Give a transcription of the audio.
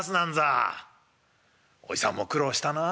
あおじさんも苦労したな」。